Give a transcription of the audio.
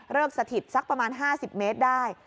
สถิตสักประมาณ๕๐เมตรได้